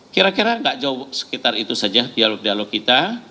kira kira nggak jauh sekitar itu saja dialog dialog kita